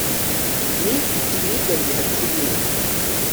ni ikiribwa gihatse ibindi